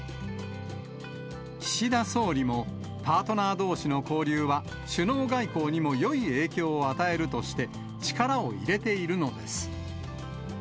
岸田総理も、パートナーどうしの交流は、首脳外交にもよい影響を与えるとして、力を入れているのです。